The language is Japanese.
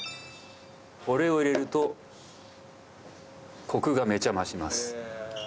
これを入れるとコクがめちゃ増します